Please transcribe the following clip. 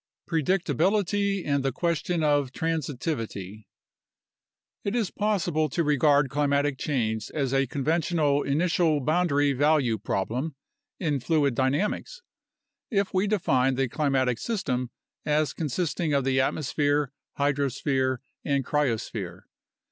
Predictability and the Question of Transitivity It is possible to regard climatic change as a conventional initial/ boundary value problem in fluid dynamics, if we define the climatic sys tem as consisting of the atmosphere, hydrosphere, and cryosphere.